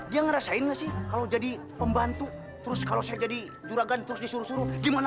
dia ngerasain gak sih kalau jadi pembantu terus kalau saya jadi juragan terus disuruh suruh gimana